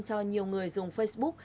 cho nhiều người dùng facebook